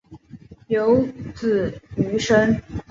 有子俞深。